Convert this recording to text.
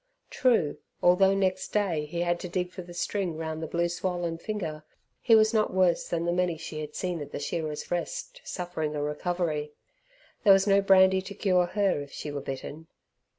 True, although next day he had to dig for the string round the blue swollen finger, he was not worse than the many she had seen at the Shearer's Rest suffering a recovery. There was no brandy to cure her if she were bitten.